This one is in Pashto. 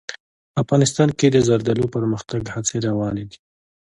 افغانستان کې د زردالو د پرمختګ هڅې روانې دي.